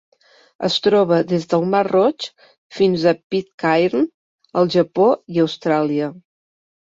Es troba des del Mar Roig fins a Pitcairn, el Japó i Austràlia.